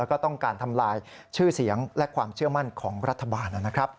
แล้วก็ต้องการทำลายชื่อเสียงและความเชื่อมั่นของรัฐบาลนะครับ